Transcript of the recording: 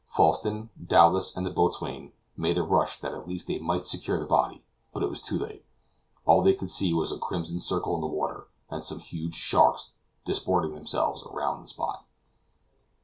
Falsten, Dowlas, and the boatswain, made a rush that at least they might secure the body; but it was too late; all that they could see was a crimson circle in the water, and some huge sharks disporting themselves around the spot.